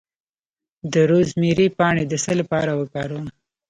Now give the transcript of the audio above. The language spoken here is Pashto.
د روزمیری پاڼې د څه لپاره وکاروم؟